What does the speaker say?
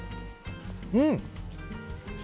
うん！